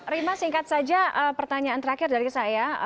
rima singkat saja pertanyaan terakhir dari saya